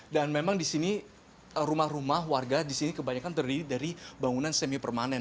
dan memang di sini rumah rumah warga di sini kebanyakan terdiri dari bangunan semi permanen